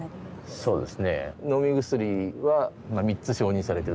そうですね。